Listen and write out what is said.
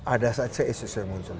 ada saja isu isu yang muncul